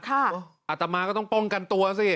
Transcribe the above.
อาตมาก็ต้องป้องกันตัวสิ